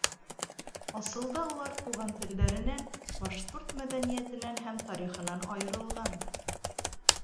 Асылда улар туған телдәренән, башҡорт мәҙәниәтенән һәм тарихынан айырылған.